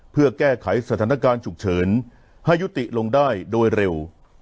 เพื่อแก้ไขสถานการณ์ฉุกเฉินให้ยุติลงได้โดยเร็ว